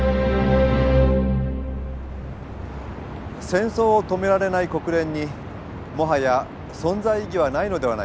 戦争を止められない国連にもはや存在意義はないのではないか。